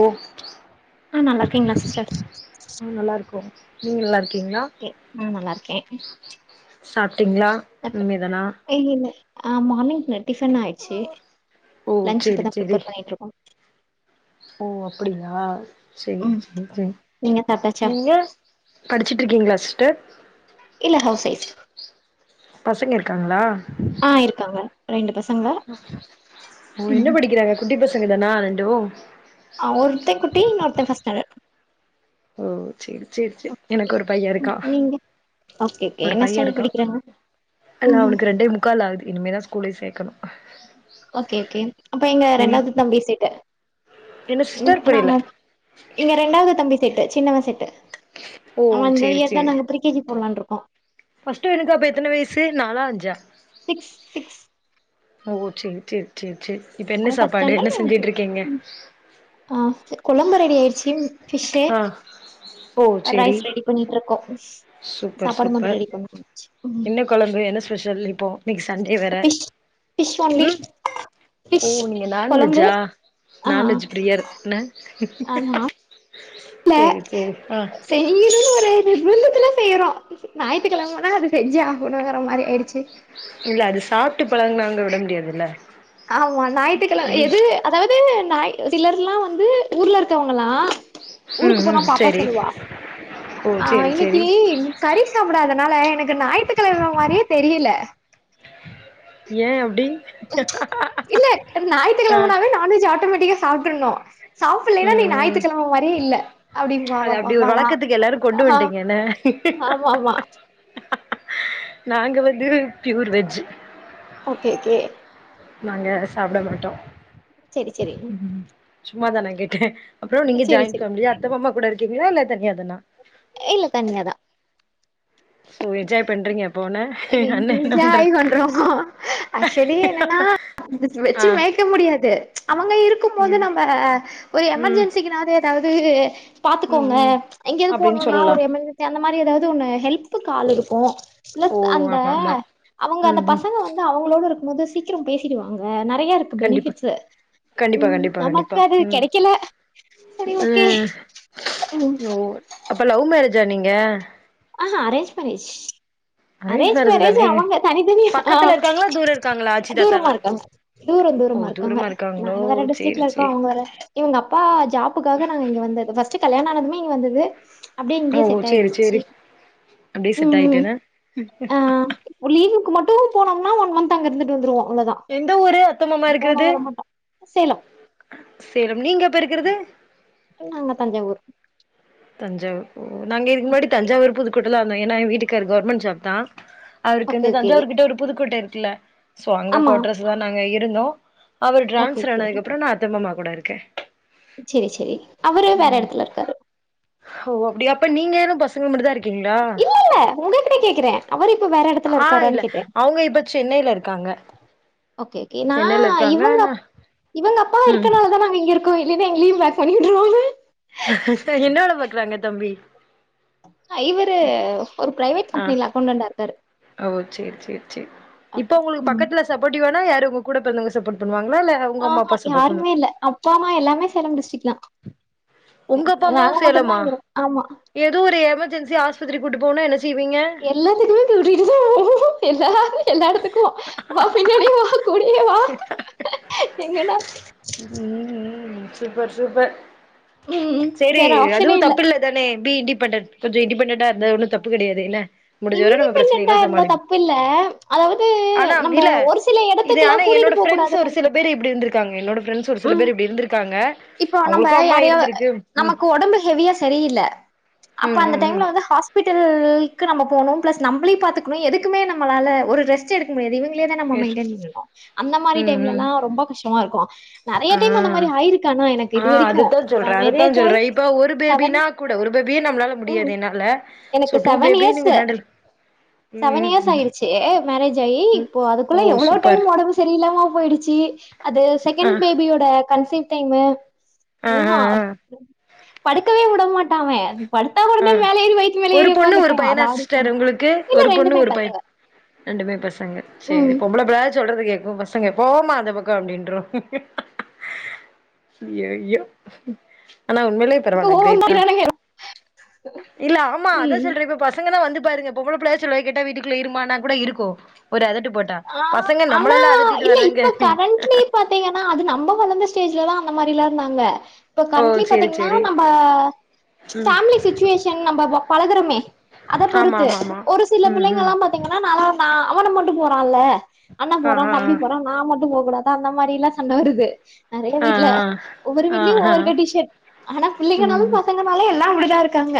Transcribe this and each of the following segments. ஓ ஆ நல்லா இருக்கீங்ளா சிஸ்டர் ம் நல்லா இருக்கோ நீங்க நல்லா இருக்கீங்ளா ஓகே ஆ நல்லா இருக்கேன் சாப்ட்டீங்ளா அப்புறம் இனிமே தானா ஆ மார்னிங் டிஃபன் ஆயிச்சு ஓ லன்ச் இப்ப சேரி தா சேரி ப்ரிப்பேர் பண்ணிட்ருக்கோ ஓ அப்படியா சேர் ம் சேர் சேர் நீங்க சாப்ட்டாச்சா நீங்க படிச்சுட்டு இருக்கீங்ளா சிஸ்டர் இல்ல ஹவுஸ் ஒய்ஃப் பசங்க இருக்காங்ளா ஆ இருக்காங்க ரெண்டு பசங்க ஓ ம் என்ன படிக்கிறாங்க குட்டி பசங்க தானா ரெண்டு ஆ ஒருத்தன் குட்டி இன்னொருத்த ஃபஸ்ட் ஸ்டாண்டட் ஓ சேர் சேர் சேர் எனக்கு ஒரு பையன் இருக்கான் நீங்க ஓகே ஓகே ஒரு என்ன பையன் ஸ்டாண்டர்ட் இருக்கான் படிக்கிறாங்க அல்ல ம் அவனுக்கு ரெண்டே முக் கால் ஆகுது இனிமேதா ஸ்கூலே சேர்க்கணு ஓகே ஓகே அப்ப எங்க ரெண்டாவது தம்பி சேட்ட என்ன ம் சிஸ்டர் புரியல நாங்க இங்க ரெண்டாவது தம்பி சேட்ட சின்னவ சேட்ட ஓ அவன் வந்து இந்த சேரி இயர் தா நாங்க ஃப்ரீ கேஜி போடலா இருக்கோ ஃபஸ்ட்டு பையனுக்கு அப்ப எத்தன வயசு நாலா அஞ்சா சிக்ஸ் சிக்ஸ் ஓ சேர் சேர் சேர் சேர் இப்ப என்ன அவன் ஃபர்ஸ்ட் சாப்பாடு என்ன ஸ்டாண்டர்ட் இவன் செஞ்சுட்டு இருக்கீங்க ம் ஆ கொழம்பு ரெடி ஆயிடுச்சு ஃபிஷ் ஆ ஓ சேரி ரைஸ் ரெடி பண்ணிட்டு இருக்கோ சூப்பர் சாப்பாடு மட்டு சூப்பர் ரெடி பண்ண முடிஞ்சு என்ன கொழம்பு என்ன ஸ்பெஷல் இப்போ இன்னைக்கு சண்டே வேற ஃபிஷ் ஃபிஷ் ஒன்லி ம் ஓ ஃபிஷ் நீங்க கொழம்பு நான்வெஜ்ஜா ஆ நான்வெஜ் பிரியர்ன இல்ல சேரி சேரி ஆ செய்யனுன்னு ஒரு நிர்பந்தத்துல செய்றோ ஞாயித்துக்கிழமனா அது செஞ்சே ஆவணுங்கற மாரி ஆயிடுச்சு இல்ல அது சாப்ட்டு பழகுனவங்க விட முடியாது இல்ல ஆமா ஞாயிற்றுக்கெழம எது அதாவது நாய் சிலர்லா வந்து ஊர்ல இருக்கவங்கலா ம் ஊருக்கு போனா ம் பாப்பா சேரி சொல்லுவா ஓ ஆ சேரி இன்னிக்கு சேரி கறி சாப்புடாதனால எனக்கு ஞாயி்த்துக்கிழம மாதிரியே தெரில ஏய அப்டி இல்ல ஆ ஞாயி்த்துக்கெழமனாவே நான்வெஜ் ஆட்டோமேட்டிக்கா சாப்டறனு சாப்புடலன்னா நீ ம் ம் ஞாயி்த்துக்கிழம மாரியே இல்ல அப்டின்னு வா அது வா வா அப்டி ஒரு வாலா வழக்கத்துக்கு எல்லாரு கொண்டு ஆ வந்ட்டீங்க என்ன ஆமா ஆமா நாங்க வந்து பியூர் வெஜ் ஓகே ஓகே நாங்க சாப்புட மாட்டோ சேரி சரி சும்மாதா நா கேட்ட அப்பற நீங்க செரி ஜாயிண்ட் செரி ஃபேமிலிய அத்தா மாமா கூட இருக்கீங்களா இல்ல தனியாதான இல்ல தனியா தா சோ என்ஜாய் பண்றீங்க அப்ப ஒன்ன அண்ண என்ன பண்ற என்ஜாய் பண்றோ ஆக்சுவலி என்னன்னா ஆ வெச்சு மே இருக்க முடியாது அவங்க இருக்கும் போது ம் நம்ம ஒரு ம் எமர்ஜென்சிக்கு நாவுது ஏதாவது ம் பாத்துக்கோங்க ம் எங்க எது அப்டின்னு போணும்னா சொல்லலா ஒரு எமெர்ஜென்சி அந்த மாதிரி ஏதாவது ஒன்னு ஹெல்ப்க்கு ஆள் இருக்கும் ஓ அந்த ஆமா ஆமா அவங்க அந்த ம் ம் பசங்க வந்து அவங்களோட இருக்கும் போது சீக்கிர பேசிடுவாங்க ந நெறையா இருக்கு கண்டிப்பா பெனிபிட்ஸ் கண்டிப்பா ம் ம் கண்டிப்பா நமக்கு கண்டிப்பா அது ம் கிடைக்கல சரி ஓகே ம் ம் ஓ அப்ப லவ் மேரேஜா நீங்க ஆஹ arrange marriage arrange arrange marriage தானே அவங்க தனித்தனியா பக்கத்துல ஆஹ் இருக்காங்களா தூர இருக்காங்களா ஆச்சி தூரமா தாத்தாலா இருக்காங்க தூரம் தூரமா ஓ இருக்காங்க இருக்காங்களோ நாங்க வேற சேரி டிஸ்ட்ரிக்ல இருக்க சேரி அவங்க வேற இவங்க அப்பா ஜாப்புக்காக நாங்க இங்க வந்தது ஃபர்ஸ்ட்ட் கல்யாண ஆனதுமே இங்க வந்தது அப்டியே ஓ இங்கேயே செட் சேரி ஆயிடுச்சு சேரி அப்டியே செட் ம் ம் ஆயிட்டேன்ன ஆ லீவுக்கு மட்டும் போனாங்கனா ஒன் மந்த் அங்க இருந்துட்டு வருவ அவ்வளதா எந்த ஊரு அத்தா மாமா இருக்குறது சேலம் சேலம் நீங்க இப்ப இருக்குறது நாங்க தஞ்சாவூர் தஞ்சாவூர்ஓ நாங்க இதுக்கு முன்னாடி தஞ்சாவூர் புதுக்கோட்டை ல இருந்தோம் ஏன்னா எய வீட்டுக்காரு கவர்மெண்ட் ஜாப் தா அவருக்கு ஓகே இந்த ஓகே தஞ்சாவூர் கிட்ட ஒரு புதுக்கோட்ட இருக்குல்ல சோ அங்க ஆமா கோட்ரஸ் தா நாங்க இருந்தோ அவர் ஓகே டிரான்ஸ்பர் ஓகே ஆனதுக்கு அப்பற நா அத்தா மாமா கூட இருக்க சரி சரி அவரு வேற எடத்துல இரு ஓ அப்டியா அப்ப நீங்க ஏன்னு பசங்க மட்டுதா இருக்கீங்களா இல்ல இல்ல உங்ககிட்ட கேக்குற அவரு இப்ப வேற இடத்துல ஆ இல்ல இருக்காரன்னு கேட்ட அவங்க இப்ப சென்னையில இருக்காங்க ஓகே கே நா சென்னையில இருக்காங்க இவங்க ஆனா இவங்க அப்பா ம் இருக்கனாலதா நாங்க இங்க இருக் கோ இல்லன எங்களையு பேக் பண்ணி வுட்ருவாங்க என்ன வேல பாக்குறாங்க தம்பி அ இவரு ஒரு பிரைவேட் ஆ கம்பெனில அக்கௌண்டன்ட்டா இருக்காரு ஓ சேரி சேரி சேரி இப்ப ஓகே உங்களுக்கு ம் பக்கத்துல சப்போட்டிவானா யாரு உங்க கூடப் பிறந்தவங்க சப்போர்ட் பண்ணுவாங்களா இல்ல உங்க அ அம்மா அப்பா சப்போர்ட் பண்ணு யாருமே இல்ல அப்பா அம்மா எல்லாமே சேலம் டிஸ்ட்ரிக்குதா உங்க அப்பா அ நாங்க அம்மாவு மட்டும்தா சேலமா இங்க இருக் ஆமா ஏதோ ஒரு எமர்ஜென்சி ஆஸ்பத்திரி கூட்டு போவ்னு என்ன செய்வீங்க எல்லாத்துக்குமே கூட்டிட்டுதா போவோ எல்லாமே எல்லா எடத்துக்கு வா பின்னாடியே வா கூடயே வா எங்கனா ம் ம் சூப்பர் சூப்பர் ம் சேரி வேற அதுவு ஆப்ஷனே இல்ல தப்புலத் தானே பி இண்டிபெண்டட் கொஞ்ச இண்டிபெண்டன்டா இருந்தா ஒன்னு தப்பு கெடையாது இல்ல முடிஞ்ச வர நம்ம பிரச்சனையலா சமாளிப் பில்ல ஆனா இல்ல இது எடத்துக்குல்லா ஆனா கூட்டிட்டு என்னோட போ ஃபிரெண்ட்ஸ் கூடாதுன்னு ஒரு இருக்கு சில பேரு இப்டி இருந்துக் க்காங்க என்னோட ஃபிரெண்ட்ஸ்சு ஒரு சில ம் பேரு இப்டி இருந்திருக்காங்க இப்போ நம்ம அவங்களுக்கு அம்மா யாரையோ இருந்திருக்கு ம் நமக்கு ஒடம்பு ஹெவியா சரியில்ல அப்ப ம் அந்த ம் டைம்ல ம் வந்து ஹாஸ் பிட்டல்க்கு நம்ப போணும் பிளஸ் நம்ளையும் பாத்துக்ணு எதுக்குமே நம்மளால ஒரு ரெஸ்ட் ஸ்ட்டே எடுக்க முடியாது இவங்ளேதா நம்ம எஸ் மெயின்டன் பண்ணணு அந்த மாரி ம் ம் டைம்லலா ரொம்ப கஷ்டமாருக்கு நெறைய டைம் அந்த மாரி ஆயிருக் அ அதுதாஞ் சொல்றே அதுத்தா ஆயி சொல்றே இப்ப ஒரு செவன் பேபினாக் கூட ஒரு பேபியே நம்ளால ம் முடியாது என்னால சோ எனக்கு டூ செவன் பேபி நீங்க இயர்ஸு ஹேண்டில் செவன் ம் இயர்ஸ் ம் ஆயிருச்சே மேரேஜ் ஆயி ம் இப்போ ஓ அதுக்குள்ள எவ்ளோ சூப்பர் டைம் ஒடம்புச் செரியில்லாம போயிடுச்சி அது ஆ செகண்ட் பேபியோட கன்சிவ் டைமு வு ஆ படுக்கவே வுடமாட்டா அவ படுத்தா ஆ வுடனே மேல ஏறி வயித்து மேல ஒரு ஏறி பொண்ணு ஒரு உக்காந்துக்குவா பையனா ராவுடி சிஸ்டர் பண்ணு உங்களுக்கு இல்ல ஒரு பொண்ணு ரெண்டுமே ஒரு பைய பசங்க ரெண்டுமே பசங்க ம் சேரி பொம்பள புளையாவுது சொல்றத கேக்கு பச் சங்க போ மா அந்த பக்கோ அப்டின்ரு இய்யோ யோ ஆனா உண்மையிலியே பரவால கிரேட் தா கோவந்தாயிரானுங்க இல்ல ஆமா அதா ம் சொல்ற இப்பப் பசங்கனா வந்து பாருங்க பொம்பள பிள்ளையாவுது சொல்றத கேட்ட வீட்டுக்குள்ள இருமானா கூட இருக்கு ஒரு அதட்டுப் ஆ ஆனா இல்ல இப்ப கரண்ட்லேப் பாத்தீங்கன் னா அது நம்ம வளந்த ஸ்டேஜ்லதா அந்த மாரிலா இருந்தாங்க இப்ப ஓ கரண்ட்லியேப் சேரி பாத்தீங்னா சேரி நம்ப ம் ஃபேமிலி சிச்சுவேஷன் நம்ம வப் பழகறமே அதப் ஆமா பொறுத்து ஆமா ஆமா ஒரு சிலப் ம் ம் பிள்ளைங்கலாம் பத் திங்கனா நாலா நா அவன மட்டும் போறா இல்ல அண்ணாப் ஆ போறா ஆ தம்பி போறா நா மட்டு போக்கூடாதா அந்த மாரிலா சண்ட வருது நெறைய ஆ வீட்ல ஒவ்வொரு ஆ வீ்ட்லியு ஆ ஆ ஒவ்வொரு கண்டிஷன் ஆனா பிள்ளைங்கனாலும் ம் பசங் கனாலே எல்லா அப்டிதா இருக்காங்க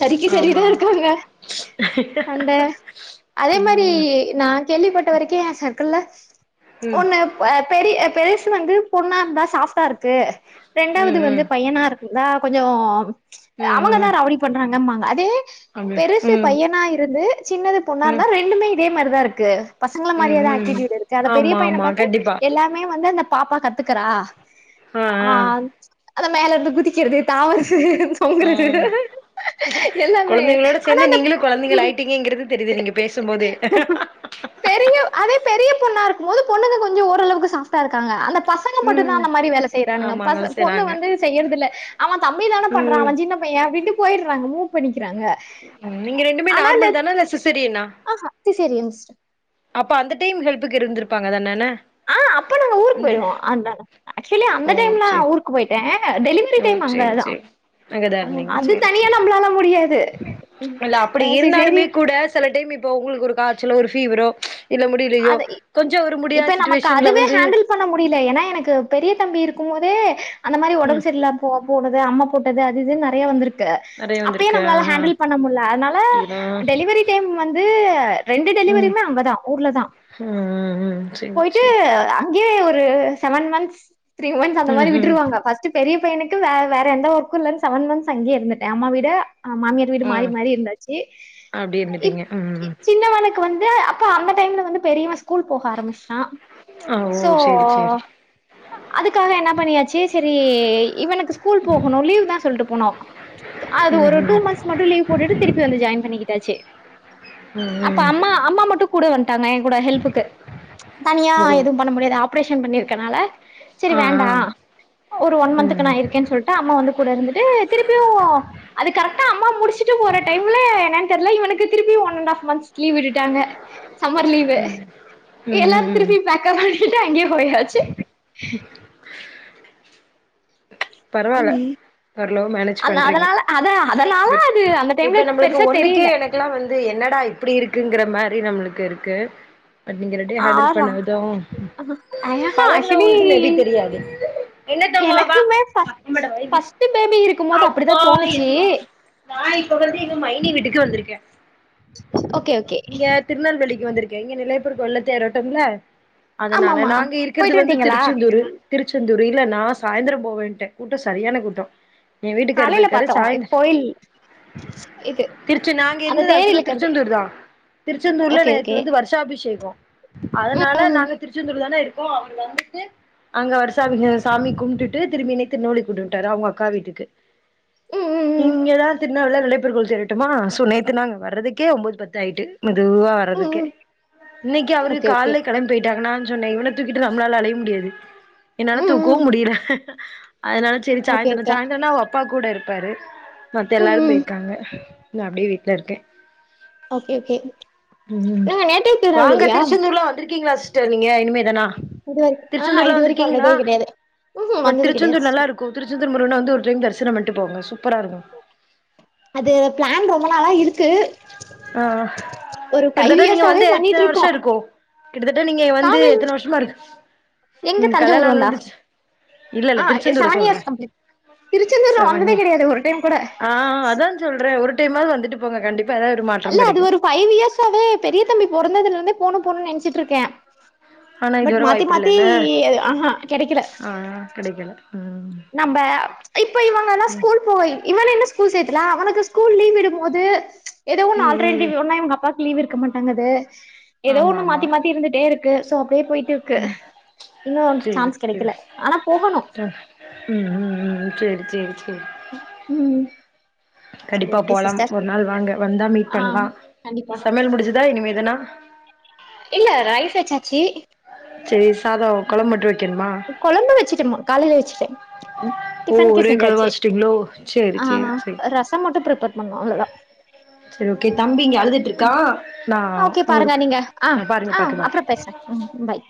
சரிக்கு ஆமா சரிதா ஆமா இருக்காங்க சண்ட அதே மாரி ம் நாங் கேள்விப்பட்ட வரைக்கு எ சர்க்கிள்ள ம் ஒன்னுப் க்வேப் பெரிய பெருசு வந்து பொண்ணா இந்தா சாஃப்டா இருக்கு ரெண்டாவது ம் ம் வந்துப் பையனாருக் தா கொஞ்சோ ம் அவங்கதா ம் ராவடி பண்றாங்கம்மாங்க அதே அப்டி பெருசு ம் பையனா இருந்து சின்னது ம் பொண்ணாந்தா ரெண்டுமே இதே மாரிதா இருக்கு பசங்கள ம் மாரியேதா ம் ஆக்டிவிட்டில இருக்கு அத பெரிய ஆமா பையன ஆமா பாத்து கண்டிப்பா எல்லாம் மே வந்து அந்த பாப்பா கத்துக்கறா ஆ ஆன்ச் அந்த மேல இருந்து குதிக்கிறது தாவறது தொங்கறது கொழந்தைங்களோட சேந்து நீங்களு ம் கொழந்தைங்களாயிட்டீங்கங்கிறது தெரிது நீங்கப் பேசும் போதே பெரியோ அதேப் பெரியப் பொண்ணா இருக்கும்போது பொண்ணுங்க கொஞ்ச ஓரளவுக்கு சாஃப்ட்டா இருக்காங்க அந்தப் பசங்க மட்டுந்தா ம் அந்த மாரி வேல செய்றானுங்கப் ஆமாங்க பச பொண்ணு செய்றாங்க வந்து செய்யறதுல்ல அவந் தம்பி தானேப் பண்றா ம் அவஞ் சின்னப் பைய அப்டின்ட்டு போயிர்றாங்க மூவ் பண்ணிகிறாங்க ம் நீங்க ரெண்டுமே நார்மல் தானா இல்ல சிசேரியனா சிசேரியன்ஸ்டர் அப்ப அந்த டைம் ஹெல்ப்புக்கு இருந்துருப்பாங்க தானேன ஆ அப்ப நாங்க ஊருக்கு அந்த போய்டுவோ அந்தாள அக்சுவலி ஓ அந்த டைம்லா சேரி ஊருக்கு போயிட்டே டெலிவ் ஓ சேர் சே அங்கதா இர்ண்திங் அது சேரி சே தனியா நம்மளால முடியாது இல்ல அப்படி அஹ் சரி இருந்தாலுமே கூடஸ் செல டைம் இப்போ உங்குள்க்கு ஒரு காச்சலோ ஒரு ஃபீவரோ இல்ல முடிலையோ அது கொஞ்சோ ஒரு முடியா இப்ப நமக்கு சிட்டுவேஷன்ல அதுவே வந்து ஹேண்டில் பண்ண முடிய்ல ஏன்னா எனக்கு பெரிய தம்பி இருக்கும் போதே அந்த மாரி ஒடம்பு ம் சரிலாம் போ போனதே அம்ம போட்டதே அது இதுன் நறையா வந்துருக் க நெறைய அப்பயே வந்திருக்கு நம்பளால ஆஹா ஹேண்டல் பண்ண முல்ல அனால அப்டிதா டெலிவரி டைம் வந்து ரெண்டு டெலிவரிமே அங்கதா ஊர்ல தா ஹும் ம் சேரி போயிஅட்டு சேரி அங்யே ஒரு செவன் மந்ஸ் த்ரீ மந்ஸ் அந்த ம் மாரி ம் விட்ருவாங்க ஃபஸ்ட்டு பெரிய பையனுக்கு வே வேற எந்த வர்க்கு இல்லன் சவன் மந்ஸ் அங்யே இருந்துட்ட அம்மா விட அ மாமியர் வீடு மாறி ம் மாறி இருந்தாச்சி அப்டி இப் இருந்துட்டீங்க ம் சின்னவனக் க்வந்து அப்ப அந்த டைம்ல வந்து பெரியவன் ஸ்கூல் போக ஆரம்பிஷ்ஷா ஆ ஓ சோ சேரி சேரி அதுக்காக என்ன பண்ணியாச்சி சரி இவனுக் கு ஸ்கூல் போகணு லீவ் தா சொல்ட்டு போனோ அது ஒரு ம் டூ ம் மந்ஸ் மட்டு லீவ் போட்டுட்டு திருப்பி வந்து ஜாய்ன் பண்ணிக்கிட்டாச்சே அப்ப ம் ம் அம்மா அம்மா மட்டு கூட வந்ட்டாங்கய்ன் கூட ஹெல்ப்புக்கு தனியா ஓ எதுவு பண்ண முடியாது ஆப்ரேஷன் பண்ணிர்க்கனால ச்சரி ஆ வேண்டா ஆ ஒரு ஒன் ம் மந்த்க்கு நா ம் இருக்கேன் சொல்ட் ட்டா அம்மா வந்து கூட இருந்துட்டு திருப்பியு அது கரக்டா அம்மா முடிச்சுட்டு போற டைம்ல என்னன் தெர்ல இவனுக்கு திருப்பி ஒன் அண்டாஃப் மந்த்ஸ் லீவ் விட்டுட்டாங்க சம்மர் லீவே எல்லா ம் ம் திருப்பி பேக்கப் பண்ணிட்டு அங்யே போயாச்சி [inaudible] பரவால்ல ம் ஓரவளவு மேனேஜ் அந்த பண்றீங்க அதனால அத அதனால ப்ரிக் அது அந்த டைம்ல இப்ப நம்பள்க்கு பெருசா ஒண்ணுக்கே தெரியல எனக் க்லா வந்து என்னடா இப்படி இருக்குங்கிற மாரி நம்ளுக்கு இருக்கு பட் நீங்க ரெண்டியு ஹேண்டில் ஆறா பண்ணது ஆஹா ஆக்சுவலி பழகுனவுள்க்கு மேபி தெரியாது என்னத் தங்கோ வா பஸ்ச்சு அம்மாட்ட வைடி பஸ்ட்டு பேபி இருக்கும் போது அப்டிதா தோணுச்சி மாய் இப்ப வந்து எங்க மைனி வீட்டுக்கு வந்துருக்கே ஓகே ஓகே திருநெல்வேலிக்கு வந்துருக்கே இங்கே நெல்லையப்பர் கொள்ளத் தேரோட்டம்ல அதனால ஆமாமா நாங்க இருக்கிற்து போயிட்டு வந்து வந்ட்டீங்களா? திருச்செந்தூரு திருச்செந்தூரு இல்ல நா சாய்ந்தர போவேன் ட்ட கூட்ட சரியான கூட்டோ எ வீட்டுக்காரு காலைல போய்ர்க்காரு பாத்தோ சாய்ந்த் கோயில் இது திருச்சி நாங்க அந்த இருந்தத தேர் ஆக்சுலா இழுக்கறது திருச்செந்தூர்தா திருச்செந்தூர்ல ஓகே ஓகே நேத்து வந்து வர்ஷ் ஷாபிஷேகோ அதனால ம் நாங்க திருச்செந்தூர் தான இருக்கோ அவர் வந்துட்டு அங்க வருசாமிஹ சாமி கும்ட்டுட்டு திரும்பினே த்து நூலி குடுன்ட்டாரு அவ்வ அக்கா வீட்டுக்கு ம் ம் ம் இங்கதா திருநெல்வேல்ல நெல்லையப்பர் கோயில் தேரோட்டமா சோ நேத்து நாங்க வர்றதுக்கே ஒம்போது பத்தாயிட்டு மெதுவா ம் ம் வர்ரதுக்கே ம். இன்னைக்கு அவரு ஓகே ஓகே கால்லைக் கெளம்ப் போயிட்டாங்க நான் ஜொன்னே இவன தூக்கிட்டு நம்ளால அலைய முடியாது என்னால ம் தூக்கவு ம் முடியல அதனால ச்செரி ஓகே ச்சாய்ந்தரோ ஓகே ச்சாய்ந்தரனா அவ அப்பா கூட இருப்பாரு மத்த ம் எல்லாரு ம் போய்ர்க்காங்க இல அப்டே வீட்ல இருக்கே ஓகே ஓகே உம்மும் ஏங்க நேட்டிவ் வாங்க திருநெல்வேலியா? திருச்செந்தூர்லா வந்திருக்கீங்ளாஸ் ட்டர் நீங்க இனிமே தானா இது வரைக் ஆஹா இதுவரைக்கு வந்ததே கிடையாது உஹு வந்தது கிடையாது யா இருக்கு திருச்செந்தூர் முருகன வந்து ஒரு டைம் தரிசனம் பண்ட்டு போங்க சூப்பராருக்கு அது பிளான் ரொம்ப நாளா இருக்கு அ அ ஒரு ஃபைவ் கிட்டத்தட்ட நீங்க இயர்ஸாவே வந்து எத்தன பண்ணிட்ருக்கோ. வருஷோருக்கு கிட்டத்தட்ட நீங்க வந்து நாங்க எத்தன வருஷமா எங்க இருக் [unintelligible] கல்யாண தஞ்சாவூர் நாள் வந்தா? [unintelligible] ஆ செவன் இயர்ஸ் கம்ப்ளிட் திருச்செந்தூர் நா செவன் வந்ததே இயர் கிடையாது ஒரு டைம் கூட ஆ அதா சொல்றே ஒரு டைமா வந்துட்டு போங்க கண்டிப்பா எதா ஒரு மாற் அல்ல அது ஒரு ஃபைவ் இயர்ஸாவே பெரிய தம்பி பொறந்ததுலருந்தே போனு போனுநென்ச்சிட்ருக்கே ஆனா பட் இதுவர மாத்தி வாய்ப்பு மாத்தி இல்லன்ன ஆஹா கெடைக்கல ஆ கெடைக்கல ம் நம்ப இப்ப இவங்கலா ஸ்கூல் போய் இவன இன்னு ஸ்கூல் சேத்தல அவனக்கு ஸ்கூல் லீவ் விடும்போது ஏதோ ஒன்னு ம் ம் ஆல்டர்னேட்டிவ் ஒன்ன இவ்ங்கப்பாக் லீவ் இருக்க மாட்டங்கது ஏதோ ஆமா ஒன்னு ஆமா மாத்தி மாத்தி இருந்துட்டேருக்கு சோ அப்டியே போயிட்டுருக்கு இன்னு அவனுக் சேரி சான்ஸ் சேரி கெடைக்கல ஆனா போகணு ம் ம் ம் சேரி சேரி சேரி ம் சரி கண்டிப்பா ஓகே போலா சிஸ்டர் ஒரு நாள் வாங்க வந்தா மீட் ஆ பண்லா கண்டிப்பா சமையல் முடிஞ்சதா இனிமேதனா இல்ல ரைஸ் வச்சாச்சி சேர் சாதோ கொழம்மட்டு வைக்கணுமா கொழம்பு வச்சுட்டமா காலைலேயே வச்சுட்டே ஓ டிஃபனுக்கே ஒரே கலவா செஞ்சாச்சு வச்சுட்டீங்களோ சேரி சேரி ஆஹா சேரி ரசோ மட்டு பிர்ப்பேர் பண்ணு அவ்ளோதா சேரி ஓகே தம்பி இங்க அழுதுட்ருக்கா ஓகே பாருங்க நீங்க ஆ ஆ பாக்க பாக்க அப்ரோ பேஸ்ற ம் பாய்